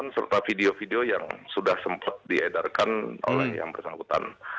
serta video video yang sudah sempat diedarkan oleh yang bersangkutan